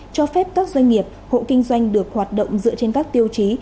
cho phép các doanh nghiệp hộ kinh doanh được hoạt động dựa trên các tiêu chí